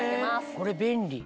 これ便利。